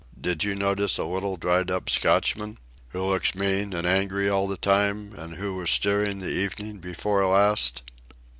Did you notice a little, dried up Scotchman?" "Who looks mean and angry all the time, and who was steering the evening before last?"